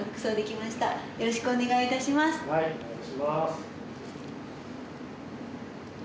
はいお願いします。